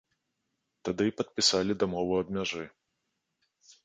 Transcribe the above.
Тады і падпісалі дамову аб мяжы.